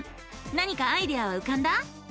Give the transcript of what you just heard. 何かアイデアはうかんだ？